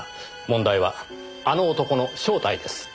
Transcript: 問題は「あの男」の正体です。